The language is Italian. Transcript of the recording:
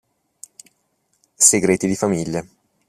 Segreti di famiglia